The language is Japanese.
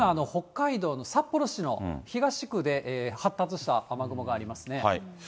今北海道の札幌市の東区で発達した雨雲がありますね。